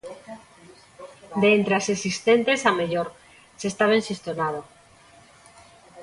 De entre as existentes, a mellor, se está ben xestionado.